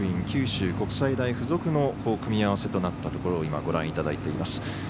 九州国際大付属の組み合わせとなったところをご覧いただいています。